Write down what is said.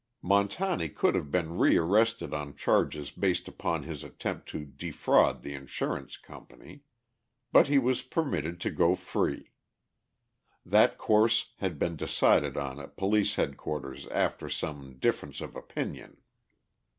Montani could have been re arrested on charges based upon his attempt to defraud the insurance company. But he was permitted to go free. That course had been decided on at Police Headquarters after some difference of opinion.